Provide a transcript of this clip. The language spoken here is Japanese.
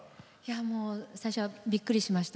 最初はびっくりしました。